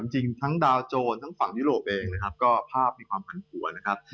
จริงทั้งดาวโจรทั้งฝั่งยุโรปเองนะครับก็ภาพมีความผันผัวนะครับ